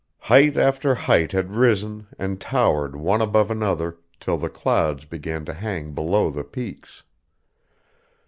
Height after height had risen and towered one above another till the clouds began to hang below the peaks.